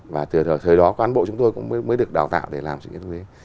và từ thời đó quán bộ chúng tôi cũng mới được đào tạo để làm sự kiện quốc tế